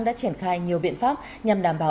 đã triển khai nhiều biện pháp nhằm đảm bảo